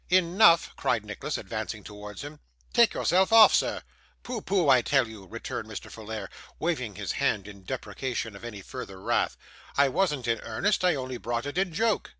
'Enough!' cried Nicholas, advancing towards him. 'Take yourself off, sir.' 'Pooh! pooh! I tell you,' returned Mr. Folair, waving his hand in deprecation of any further wrath; 'I wasn't in earnest. I only brought it in joke.